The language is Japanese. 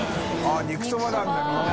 ◆舛肉ソバなんだみんな。